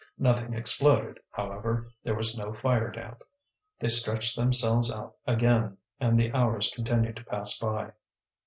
Nothing exploded, however; there was no fire damp. They stretched themselves out again, and the hours continued to pass by.